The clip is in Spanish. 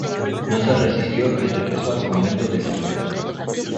No se resistió y regresó al convento de San Vito.